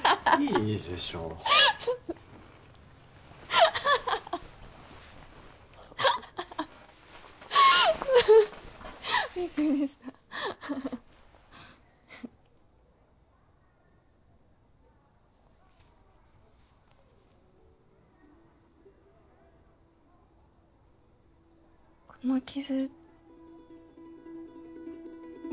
いいでしょアハハハハハびっくりしたこの傷